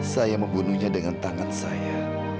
saya membunuhnya dengan tangan saya